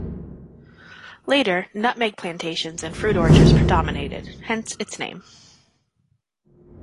Later, nutmeg plantations and fruit orchards predominated, hence its name.